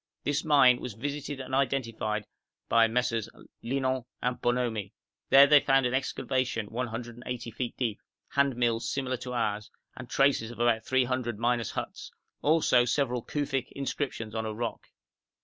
This mine was visited and identified by MM. Linant and Bonomi; there they found an excavation 180 feet deep, handmills similar to ours, and traces of about three hundred miners' huts, also several Kufic inscriptions on a rock.